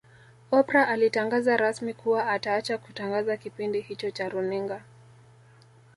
Oprah alitangaza rasmi kuwa ataacha kutangaza kipindi hicho cha Runinga